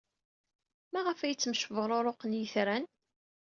Maɣef ay ttemcebruruqen yitran?